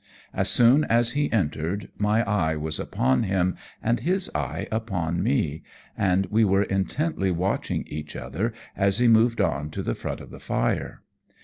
As soon as he entered my eye was upon him, and his eye upon me, and we were intently watching each other as he moved on to the front of the fire.